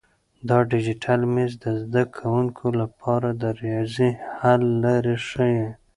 دا ډیجیټل مېز د زده کونکو لپاره د ریاضي حل لارې ښیي.